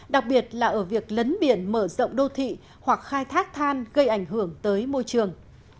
đặc biệt là ở việc lấn biển mở rộng đô thị hoặc khai thác than gây ảnh hưởng tới môi trường